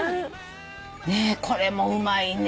ねえこれもうまいね。